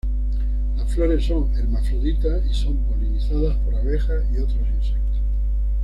Las flores son hermafroditas y son polinizadas por abejas y otros insectos.